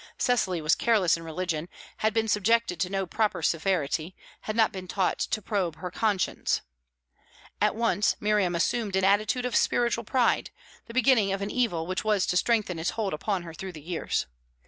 Cecily was careless in religion, had been subjected to no proper severity, had not been taught to probe her con science. At once Miriam assumed an attitude of spiritual pride the beginning of an evil which was to strengthen its hold upon her through years.